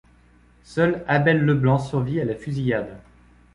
Seul Abel Leblanc survit à la fusillade.